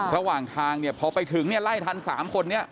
ระหว่างทางพอไปถึงไล่ทัน๓คนนี้